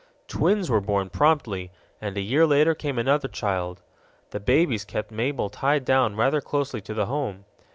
Twins were born promptly, and a year later came another child. The babies kept Mabel tied down rather closely to the home.